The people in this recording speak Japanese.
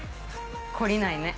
懲りないね。